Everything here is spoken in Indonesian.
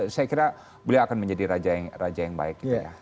saya kira beliau akan menjadi raja yang baik gitu ya